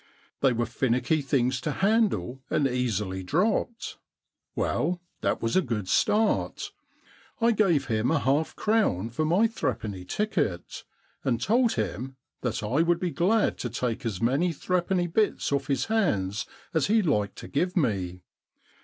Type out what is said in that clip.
They were finicky things to handle and easy dropped. Well, that was a very good start. I gave him a half crown for my threepenny ticket and told him that I would be glad to take as many threepenny bits off his hands as he liked to give me.